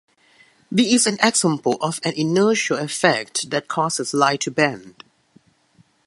This is an example of an inertial effect that causes light to bend.